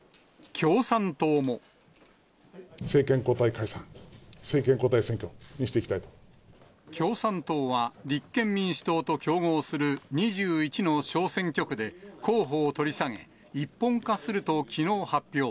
共産党は立憲民主党と競合する２１の小選挙区で候補を取り下げ、一本化するときのう発表。